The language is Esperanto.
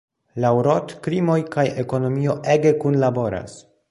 Laŭ Roth krimoj kaj ekonomio ege kunlaboras.